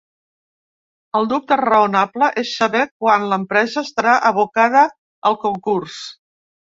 El dubte raonable és saber quan l’empresa estarà abocada al concurs.